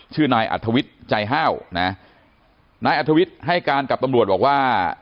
ชื่อนายอัธวิทย์ใจห้าวนะนายอัธวิทย์ให้การกับตำรวจบอกว่า